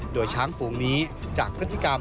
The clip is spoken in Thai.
โดยช้างฝูงนี้จากพฤติกรรม